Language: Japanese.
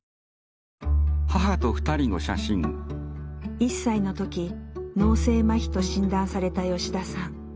１歳の時脳性まひと診断された吉田さん。